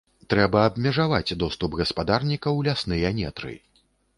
Трэба абмежаваць доступ гаспадарніка ў лясныя нетры.